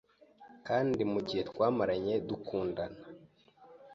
kandi mu gihe twamaranye dukundana